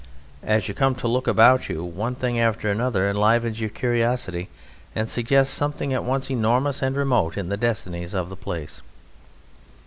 As you come to look about you one thing after another enlivens your curiosity and suggests something at once enormous and remote in the destinies of the place.